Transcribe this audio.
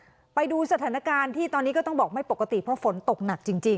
ไปดูสถานการณ์ที่ตอนนี้ก็ต้องบอกไม่ปกติเพราะฝนตกหนักจริงจริง